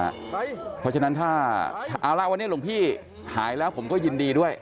เพราะฉะนั้นถ้าเอาละวันนี้หลวงพี่หายแล้วผมก็ยินดีด้วย